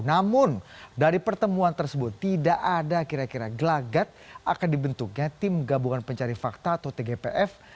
namun dari pertemuan tersebut tidak ada kira kira gelagat akan dibentuknya tim gabungan pencari fakta atau tgpf